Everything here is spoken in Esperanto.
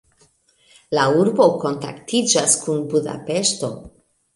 La urbo kontaktiĝas kun Budapeŝto.